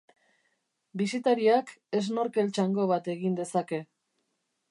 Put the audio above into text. Bisitariak snorkel txango bat egin dezake.